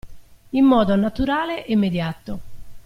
In modo naturale e immediato.